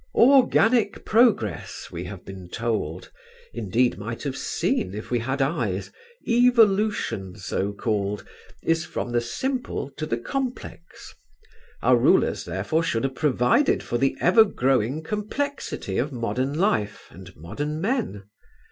Organic progress we have been told; indeed, might have seen if we had eyes, evolution so called is from the simple to the complex; our rulers therefore should have provided for the ever growing complexity of modern life and modern men.